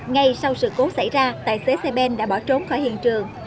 ngay sau sự cố xảy ra tài xế xe ben đã bỏ trốn khỏi hiện trường